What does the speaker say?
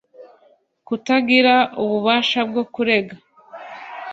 kutagira ububasha bwo kurega